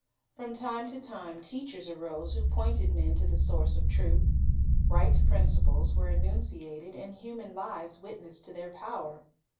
From time to time, teachers arose who pointed men to the Source of truth. Right principles were enunci ated, and human lives witnessed to their power.